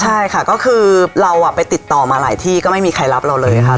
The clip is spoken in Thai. ใช่ค่ะก็คือเราไปติดต่อมาหลายที่ก็ไม่มีใครรับเราเลยค่ะ